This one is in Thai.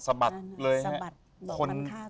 สะบัดเลยไง